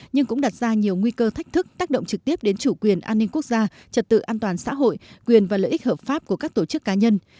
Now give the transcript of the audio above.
nhưng cũng đặt ra nhiều nguy cơ thách thức tác động trực tiếp đến chủ quyền an ninh quốc gia trật tự an toàn xã hội quyền và lợi ích hợp pháp của các tổ chức cá nhân